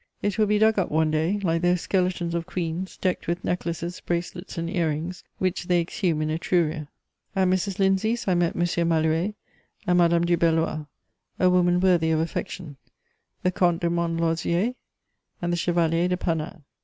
It will be dug up one day, like those skeletons of queens, decked with necklaces, bracelets and ear rings, which they exhume in Etruria. At Mrs. Lindsay's I met M. Malouet and Madame du Belloy, a woman worthy of affection, the Comte de Montlosier and the Chevalier de Panat.